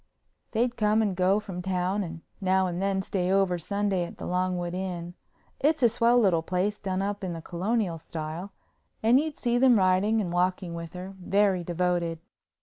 They'd come and go from town and now and then stay over Sunday at the Longwood Inn—it's a swell little place done up in the Colonial style—and you'd see them riding and walking with her, very devoted.